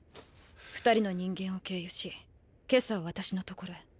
二人の人間を経由し今朝私のところへ。